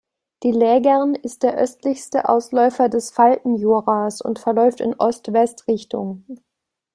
Die Lägern ist der östlichste Ausläufer des Faltenjuras und verläuft in Ost-West-Richtung.